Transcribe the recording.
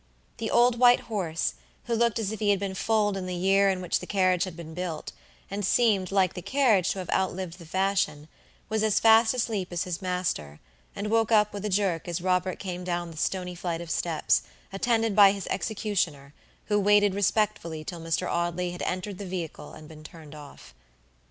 The old white horse, who looked as if he had been foaled in the year in which the carriage had been built, and seemed, like the carriage, to have outlived the fashion, was as fast asleep as his master, and woke up with a jerk as Robert came down the stony flight of steps, attended by his executioner, who waited respectfully till Mr. Audley had entered the vehicle and been turned off.